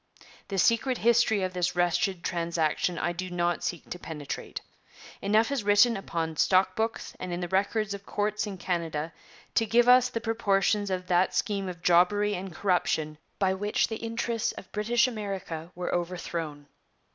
The secret history of this wretched transaction I do not seek to penetrate. Enough is written upon stock books and in the records of courts in Canada to give us the proportions of that scheme of jobbery and corruption by which the interests of British America were overthrown.